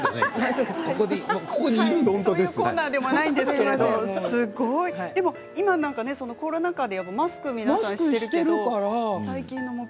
そういうコーナーではないんですけれどもすごい今コロナ禍でマスクを皆さんしているから。